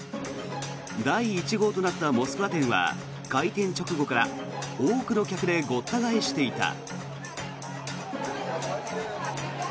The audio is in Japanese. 第１号となったモスクワ店は開店直後から多くの客でごった返していた。